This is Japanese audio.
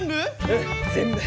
うん全部。